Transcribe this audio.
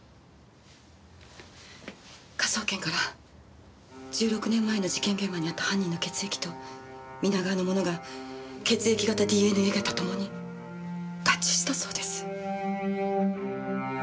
科捜研から１６年前の事件現場にあった犯人の血液と皆川のものが血液型ＤＮＡ型共に合致したそうです！